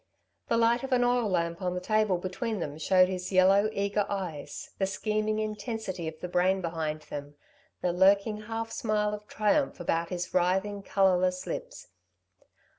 The light of an oil lamp on the table between them showed his yellow, eager eyes, the scheming intensity of the brain behind them, the lurking half smile of triumph about his writhing, colourless lips.